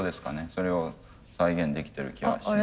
それを再現できてる気がします。